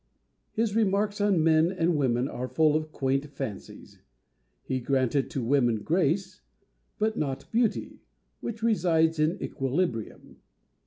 His remarks on men and women are full of quaint fancies. He granted to women grace, but not beauty, which resides in equilibrium.